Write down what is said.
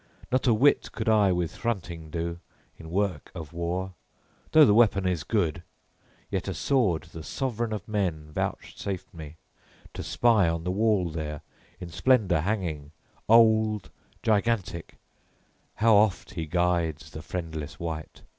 Not a whit could I with Hrunting do in work of war, though the weapon is good; yet a sword the Sovran of Men vouchsafed me to spy on the wall there, in splendor hanging, old, gigantic, how oft He guides the friendless wight!